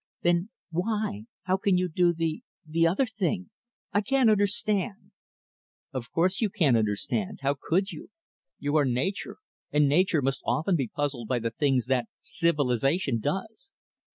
"Then why how can you do the the other thing? I can't understand." "Of course, you can't understand how could you? You are 'Nature' and 'Nature' must often be puzzled by the things that 'Civilization' does."